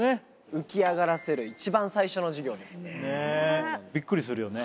浮き上がらせる一番最初の授業ですねびっくりするよね